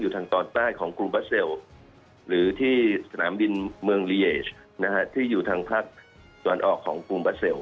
ทางตอนใต้ของกรุงบัสเซลหรือที่สนามบินเมืองลีเอชที่อยู่ทางภาคตะวันออกของกรุงบัสเซล